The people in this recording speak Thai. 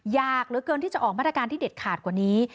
ยากเหลือเกินที่จะออกมาตรการที่เด็ดขาดกว่านี้